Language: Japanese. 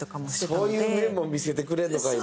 そういう面も見せてくれんのかいな。